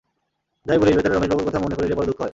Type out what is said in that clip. যাই বলিস, বেচারা রমেশবাবুর কথা মনে করিলে বড়ো দুঃখ হয়।